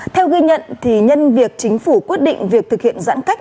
theo ghi nhận nhân việc chính phủ quyết định việc thực hiện giãn cách